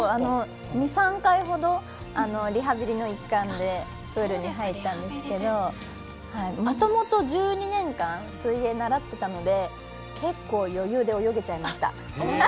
２、３回ほどリハビリの一環でプールに入ったんですけどもともと１２年間水泳、習っていたので結構、余裕で泳げちゃいました。